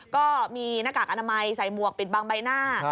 ก็มีหน้ากากอนามัยใส่หมวกปิดบางใบหน้า